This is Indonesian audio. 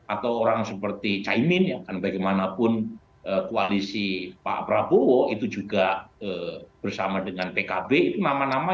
atau orang seperti chai min bagaimanapun koalisi pak prabowo itu juga bersama dengan pkb nama nama